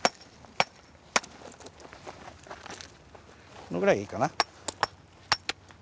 このぐらいでいいかな。